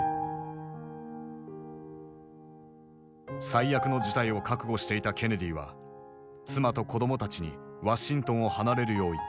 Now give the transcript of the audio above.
最悪の事態を覚悟していたケネディは妻と子どもたちにワシントンを離れるよう言った。